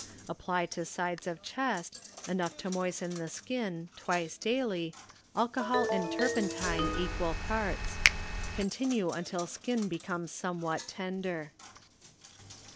Apply to sides of chest, enough to moisten the skin, twice daily, alcohol and turpentine equal parts ; continue until skin becomes somewhat tender.